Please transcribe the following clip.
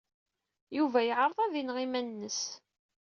Yuba yeɛreḍ ad ineɣ iman-nnes.